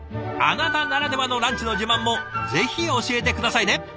あなたならではのランチの自慢もぜひ教えて下さいね！